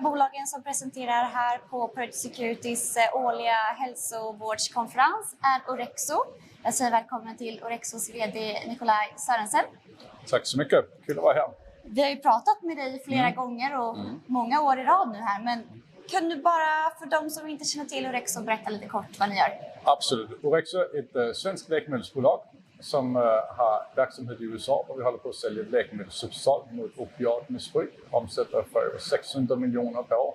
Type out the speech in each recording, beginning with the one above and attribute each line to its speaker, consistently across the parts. Speaker 1: Ett av bolagen som presenterar här på Pareto Securities årliga hälsovårdskonferens är Orexo. Jag säger välkommen till Orexos VD Nikolaj Sørensen.
Speaker 2: Tack så mycket. Kul att vara här.
Speaker 1: Vi har ju pratat med dig flera gånger och många år i rad nu här. Kan du bara för de som inte känner till Orexo berätta lite kort vad ni gör?
Speaker 2: Absolut. Orexo är ett svenskt läkemedelsbolag som har verksamhet i USA och vi håller på att sälja ett läkemedel ZUBSOLV mot opiatmissbruk. Omsätter för över 600 miljoner per år.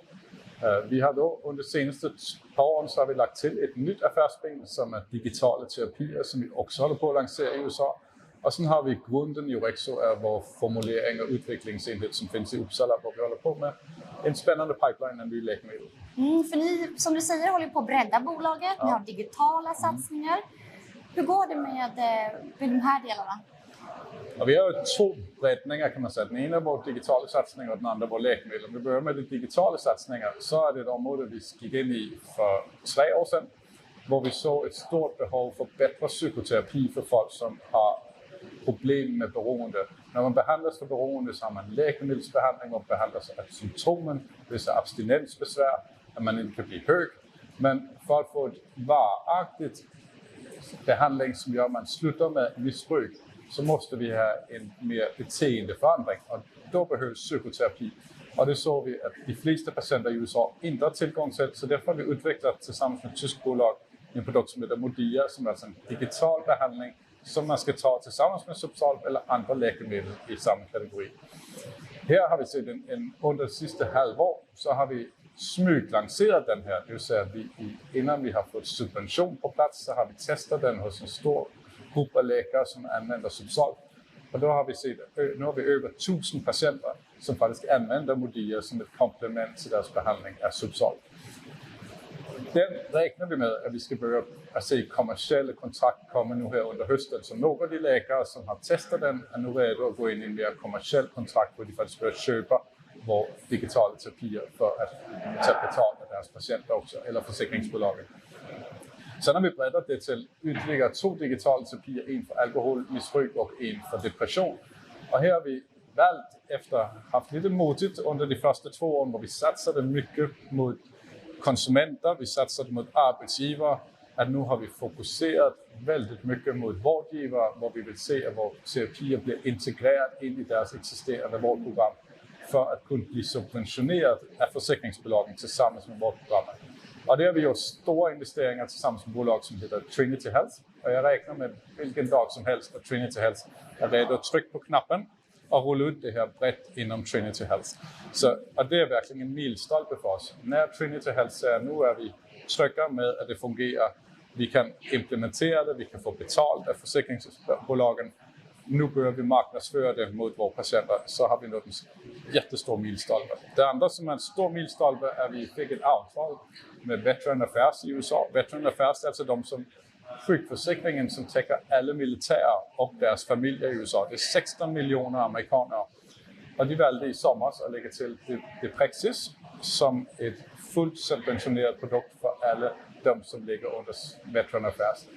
Speaker 2: Vi har då under de senaste par åren så har vi lagt till ett nytt affärsben som är digitala terapier som vi också håller på att lansera i USA. Sen har vi grunden i Orexo är vår formulering och utvecklingsenhet som finns i Uppsala och vi håller på med en spännande pipeline med nya läkemedel.
Speaker 1: För ni, som du säger, håller på att bredda bolaget. Ni har digitala satsningar. Hur går det med de här delarna?
Speaker 2: Ja, vi har två riktningar kan man säga. Den ena är vår digitala satsning och den andra vår läkemedel. Om vi börjar med de digitala satsningar så är det ett område vi gick in i för tre år sedan, där vi såg ett stort behov för bättre psykoterapi för folk som har problem med beroende. När man behandlas för beroende så har man läkemedelsbehandling och behandlas av symptomen. Det är abstinensbesvär, att man inte kan bli hög. Men för att få ett varaktigt behandling som gör att man slutar med missbruk så måste vi ha en mer beteendeförändring. Då behövs psykoterapi. Det såg vi att de flesta patienter i USA inte har tillgång till. Därför har vi utvecklat tillsammans med ett tyskt bolag en produkt som heter MODIA, som är alltså en digital behandling som man ska ta tillsammans med ZUBSOLV eller andra läkemedel i samma kategori. Här har vi sett en under sista halvår, så har vi smyglanserat den här. Det vill säga att vi innan vi har fått subvention på plats så har vi testat den hos en stor grupp av läkare som använder ZUBSOLV. Då har vi sett, nu har vi över tusen patienter som faktiskt använder MODIA som ett komplement till deras behandling av ZUBSOLV. Den räknar vi med att vi ska börja att se kommersiella kontrakt komma nu här under hösten. Några av de läkare som har testat den är nu redo att gå in i en mer kommersiell kontrakt där de faktiskt bör köpa vår digitala terapier för att ta betalt av deras patienter också, eller försäkringsbolagen. Har vi breddat det till ytterligare två digitala terapier, en för alkoholmissbruk och en för depression. Här har vi varit lite modiga under de första 2 åren där vi satsade mycket mot konsumenter. Vi satsade mot arbetsgivare. Nu har vi fokuserat väldigt mycket mot vårdgivare där vi vill se att våra terapier blir integrerade in i deras existerande vårdprogram för att kunna bli subventionerade av försäkringsbolagen tillsammans med vårdprogrammen. Det har vi gjort stora investeringar tillsammans med ett bolag som heter Trinity Health och jag räknar med vilken dag som helst att Trinity Health är redo att trycka på knappen och rulla ut det här brett inom Trinity Health. Det är verkligen en milstolpe för oss. När Trinity Health säger: "Nu är vi trygga med att det fungerar, vi kan implementera det, vi kan få betalt av försäkringsbolagen. Nu bör vi marknadsföra det mot våra patienter," så har vi nått en jättestor milstolpe. Det andra som är en stor milstolpe är vi fick ett avtal med Veterans Affairs i USA. Veterans Affairs är alltså de som sjukförsäkringen som täcker alla militära och deras familjer i USA. Det är 16 miljoner amerikaner och de valde i somras att lägga till deprexis som ett fullt subventionerat produkt för alla de som ligger under Veterans Affairs.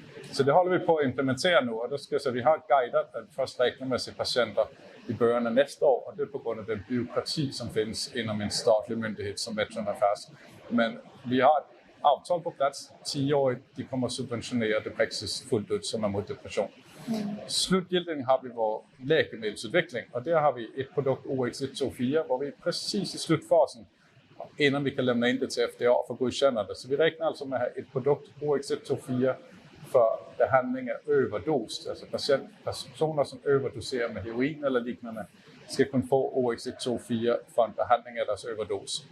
Speaker 2: Det håller vi på att implementera nu. Då ska jag säga vi har guidat den första räknemässigt patienten i början av nästa år och det är på grund av den byråkrati som finns inom en statlig myndighet som Veterans Affairs. Vi har ett avtal på plats, 10-årigt. De kommer subventionera deprexis fullt ut som är mot depression. Slutligen har vi vår läkemedelsutveckling och där har vi ett produkt OX124 var vi är precis i slutfasen innan vi kan lämna in det till FDA för godkännande. Vi räknar alltså med ett produkt OX124 för behandling av överdos. Alltså patient, personer som överdoserar med heroin eller liknande ska kunna få OX124 för en behandling av deras överdos.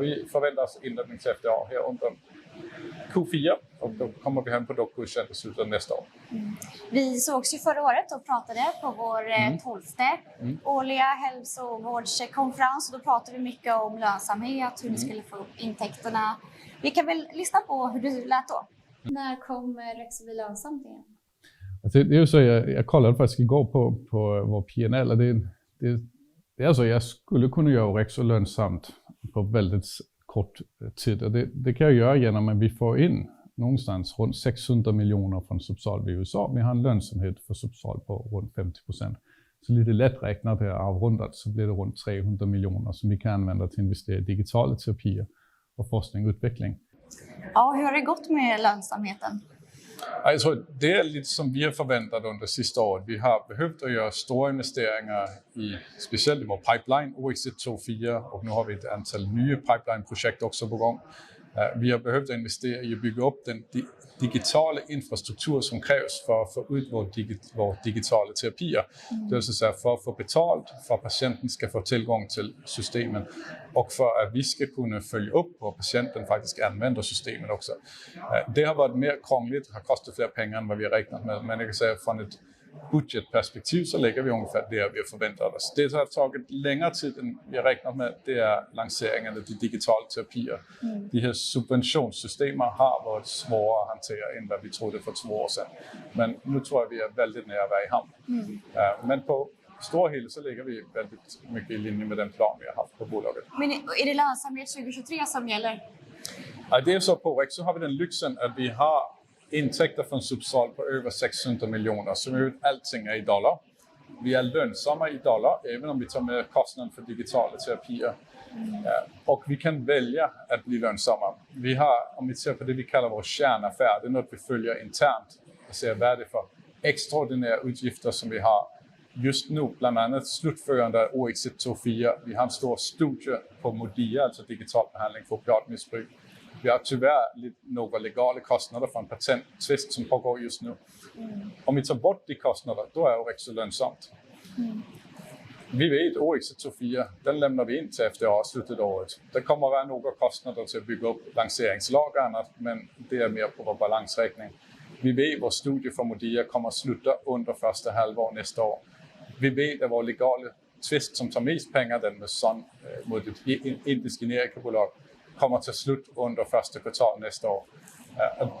Speaker 2: Vi förväntar oss inlämning till FDA här under Q4 och då kommer vi få godkännande i slutet av nästa år.
Speaker 1: Vi sågs ju förra året och pratade på vår tolfte årliga hälso- och vårdkonferens. Då pratade vi mycket om lönsamhet, hur ni skulle få intäkterna. Vi kan väl lyssna på hur du lät då. När kommer Orexo bli lönsamt igen?
Speaker 2: Det är ju så jag kollade faktiskt igår på vår P&L. Det är alltså jag skulle kunna göra Orexo lönsamt på väldigt kort tid. Det kan jag göra genom att vi får in någonstans runt $600 million från ZUBSOLV i USA. Vi har en lönsamhet för ZUBSOLV på runt 50%. Lite lätt räknat och avrundat så blir det runt $300 million som vi kan använda till att investera i digitala terapier och forskning och utveckling.
Speaker 1: Ja, hur har det gått med lönsamheten?
Speaker 2: Ja, jag tror det är lite som vi har förväntat under sista året. Vi har behövt att göra stora investeringar i speciellt i vår pipeline OX124 och nu har vi ett antal nya pipelineprojekt också på gång. Vi har behövt investera i att bygga upp den digitala infrastruktur som krävs för att få ut vår digitala terapier. Det vill säga för att få betalt för att patienten ska få tillgång till systemen och för att vi ska kunna följa upp om patienten faktiskt använder systemen också. Det har varit mer krångligt, har kostat fler pengar än vad vi har räknat med. Men jag kan säga från ett budgetperspektiv så ligger vi ungefär där vi har förväntat oss. Det som har tagit längre tid än vi har räknat med, det är lanseringarna av de digitala terapier. De här subventionssystemen har varit svårare att hantera än vad vi trodde för två år sedan. Nu tror jag vi är väldigt nära att vara i hamn. På det stora hela så ligger vi väldigt mycket i linje med den plan vi har haft för bolaget.
Speaker 1: Är det lönsamhet 2023 som gäller?
Speaker 2: Ja, det är så, på Orexo har vi den lyxen att vi har intäkter från ZUBSOLV på över $600 million. Allting är i dollar. Vi är lönsamma i dollar, även om vi tar med kostnaden för digitala terapier. Vi kan välja att bli lönsamma. Vi har, om vi ser på det vi kallar vår kärnaffär, det är något vi följer internt och ser värde för. Extraordinär utgifter som vi har just nu, bland annat slutförande OX124. Vi har en stor studie på MODIA, alltså digital behandling för opiatmissbruk. Vi har tyvärr lite några legala kostnader för en patenttvist som pågår just nu. Om vi tar bort de kostnaderna, då är Orexo lönsamt. Vi har OX124, den lämnar vi in till FDA i slutet av året. Det kommer att vara några kostnader till att bygga upp lanseringslagret, men det är mer på vår balansräkning. Vi vet vår studie för MODIA kommer att sluta under första halvåret nästa år. Vi vet att vår legala tvist som tar mest pengar, den med Sun, mot ett indiskt generikabolag, kommer att ta slut under första kvartal nästa år.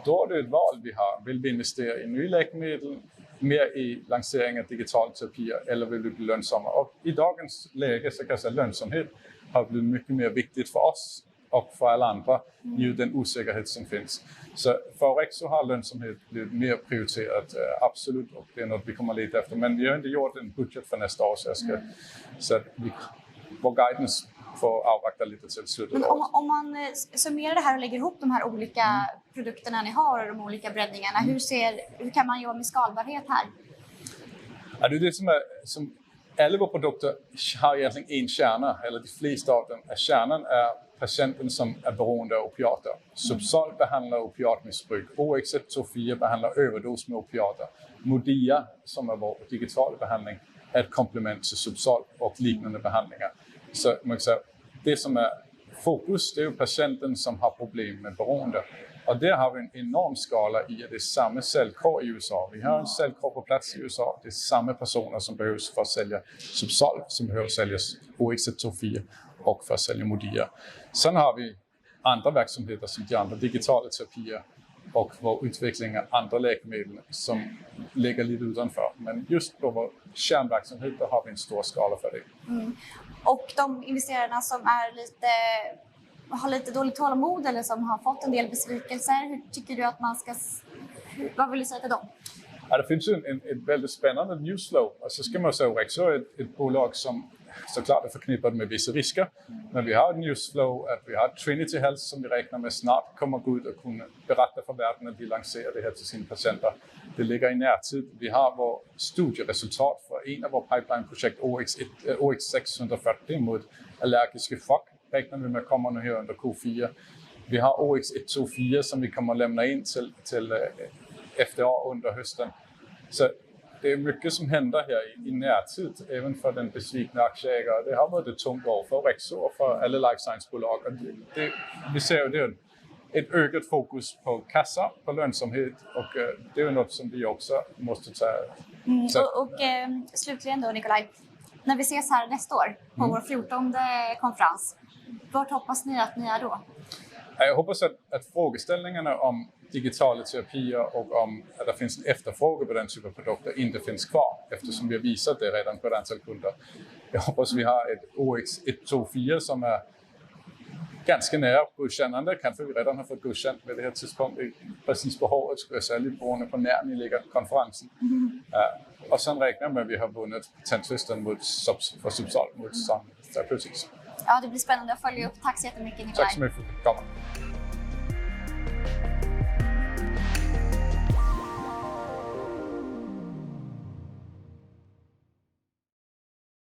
Speaker 2: Då är det ett val vi har. Vill vi investera i nya läkemedel, mer i lansering av digitala terapier eller vill vi bli lönsamma? I dagens läge så kan jag säga lönsamhet har blivit mycket mer viktigt för oss och för alla andra nu den osäkerhet som finns. För Orexo har lönsamhet blivit mer prioriterat, absolut, och det är något vi kommer att leta efter. Men vi har inte gjort en budget för nästa år, så vår guidance får avvakta lite till slutet av-
Speaker 1: Om man summerar det här och lägger ihop de här olika produkterna ni har och de olika breddningarna, hur kan man jobba med skalbarhet här?
Speaker 2: Ja du, det som är som alla våra produkter har egentligen en kärna eller flera stadier. Kärnan är patienten som är beroende av opiater. ZUBSOLV behandlar opiatmissbruk. OX124 behandlar överdos med opiater. MODIA, som är vår digitala behandling, är ett komplement till ZUBSOLV och liknande behandlingar. Så om man säger det som är fokus, det är ju patienten som har problem med beroende. Där har vi en enorm skala i att det är samma säljkår i USA. Vi har en säljkår på plats i USA. Det är samma personer som behövs för att sälja ZUBSOLV, som behövs för att sälja OX124 och för att sälja MODIA. Sen har vi andra verksamheter som de andra digitala terapier och vår utveckling av andra läkemedel som ligger lite utanför. Men just på vår kärnverksamhet, där har vi en stor skala för det.
Speaker 1: De investerarna som är lite, har lite dåligt tålamod eller som har fått en del besvikelser. Vad vill du säga till dem?
Speaker 2: Ja, det finns ett väldigt spännande news flow. Ska man säga Orexo är ett bolag som så klart är förknippat med vissa risker. Vi har ett news flow att vi har Trinity Health som vi räknar med snart kommer att gå ut och kunna berätta för världen att vi lanserar det här till sina patienter. Det ligger i närtid. Vi har vår studieresultat för en av vår pipeline-projekt OX640. Det är mot allergisk chock. Räknar med att komma nu här under Q4. Vi har OX124 som vi kommer att lämna in till FDA under hösten. Det är mycket som händer här i närtid, även för den besvikna aktieägare. Det har varit ett tungt år för Orexo och för alla life science-bolag. Vi ser ett ökat fokus på kassa, på lönsamhet och det är något som vi också måste ta.
Speaker 1: Slutligen då Nikolaj, när vi ses här nästa år på vår fjortonde konferens, vart hoppas ni att ni är då?
Speaker 2: Jag hoppas att frågeställningarna om digitala terapier och om att det finns en efterfrågan på den typen av produkter inte finns kvar eftersom vi har visat det redan på ett antal kunder. Jag hoppas vi har ett OX124 som är ganska nära godkännande. Kanske vi redan har fått godkänt vid det här tidspunkt. Precis behoven skulle vara säljbara på Näringslivskonferensen. Sen räknar jag med att vi har vunnit patenttvisten mot Sun för ZUBSOLV, så är det plus.
Speaker 1: Ja, det blir spännande att följa upp. Tack så jättemycket, Nikolaj.
Speaker 2: Tack så mycket. Kommer.